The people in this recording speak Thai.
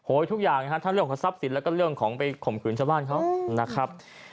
ทุกอย่างนะฮะทั้งเรื่องของทรัพย์สินแล้วก็เรื่องของไปข่มขืนชาวบ้านเขานะครับ